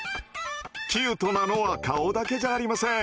キュートなのは顔だけじゃありません。